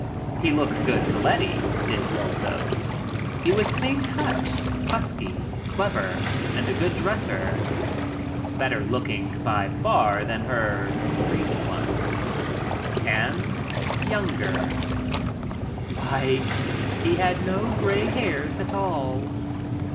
He looked good to Letty, did Waldo. He was clean cut, husky, clever and a good dresser. ' Better looking by far than her Great One — and younger. Why, he had no gray hairs at all.